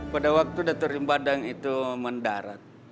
pada waktu datuk ribandang itu mendarat